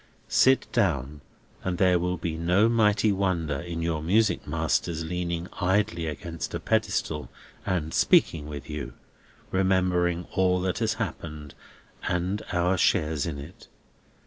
Sit down, and there will be no mighty wonder in your music master's leaning idly against a pedestal and speaking with you, remembering all that has happened, and our shares in it.